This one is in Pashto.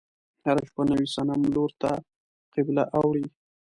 هره شپه نوي صنم لور ته قبله اوړي.